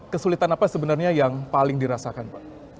kesulitan apa sebenarnya yang paling dirasakan pak